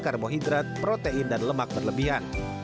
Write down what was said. karbohidrat protein dan lemak berlebihan